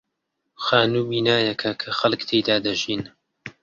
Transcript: خانوو بینایەکە کە خەڵک تێیدا دەژین.